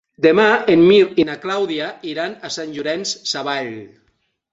Demà en Mirt i na Clàudia iran a Sant Llorenç Savall.